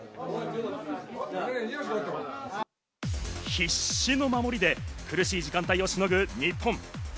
必死の守りで苦しい時間帯をしのぐ日本。